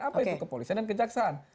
apa itu kepolisian dan kejaksaan